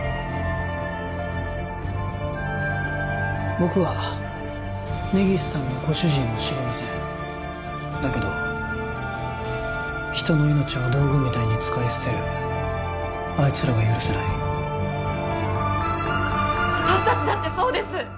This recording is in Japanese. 僕は根岸さんのご主人を知りませんだけど人の命を道具みたいに使い捨てるあいつらは許せない私達だってそうです！